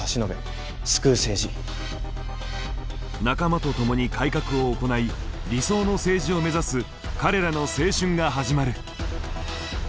仲間と共に改革を行い理想の政治を目指す彼らの青春が始まる。